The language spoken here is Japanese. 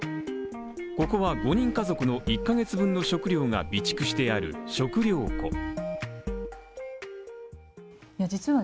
ここは５人家族の１カ月分の食料が備蓄してある食料庫。